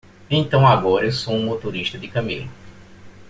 Então agora eu sou um motorista de camelo.